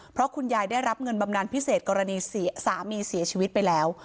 เพราะคุณยายได้รับเงินบำนานพิเศษกรณีสามีเสียชีวิตไปแล้ว